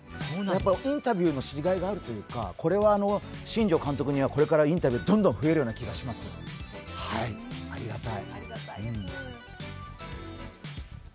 インタビューのしがいがあるというか、これは新庄監督にはこれからインタビューがどんどん増えるような気がします、ありがたい。